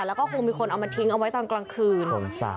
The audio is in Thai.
แล้วก็คงมีคนเอามาทิ้งเอาไว้ตอนกลางคืน